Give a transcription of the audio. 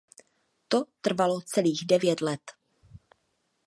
To trvalo celých devět let.